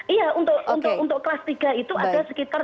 iya untuk kelas tiga itu ada sekitar dua puluh satu delapan